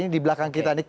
di belakang kita